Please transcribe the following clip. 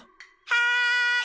はい！